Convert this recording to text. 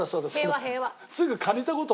平和平和。